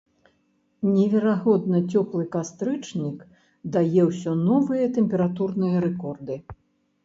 Неверагодна цёплы кастрычнік дае ўсё новыя тэмпературныя рэкорды.